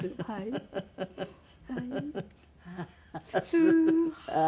スーハー。